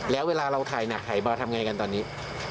แล้วเวลาเราถ่ายหนักถ่ายบาร์ทำไงกันตอนนี้